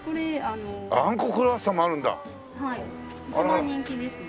一番人気ですね。